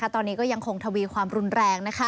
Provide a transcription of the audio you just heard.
ตอนนี้ก็ยังคงทวีความรุนแรง